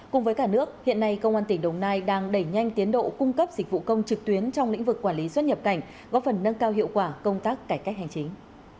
cùng với cả nước hiện nay công an tỉnh đồng nai đang đẩy nhanh tiến độ cung cấp dịch vụ công trực tuyến trong lĩnh vực quản lý xuất nhập cảnh góp phần nâng cao hiệu quả công tác cải cách hành chính